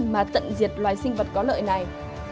mà tận diệt loài sinh vật có lợi này